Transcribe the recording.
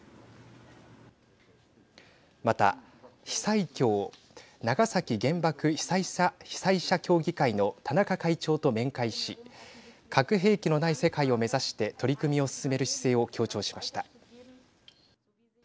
また被災協＝長崎原爆被災者協議会の田中会長と面会し核兵器のない世界を目指して取り組みを進める姿勢を強調しました。